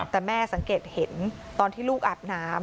แต่แม่สังเกตเห็นตอนที่ลูกอาบน้ำ